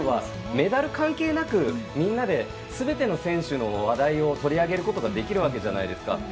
メダル関係なく、みんなですべての選手の話題を取り上げることができるわけじゃないですか。